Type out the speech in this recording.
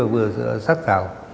vừa sắt rào